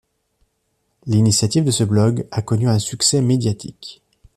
L'initiative de ce blog a connu un succès médiatique.